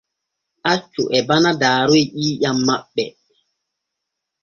Accu e bana daaroy ƴiiƴam maɓɓe.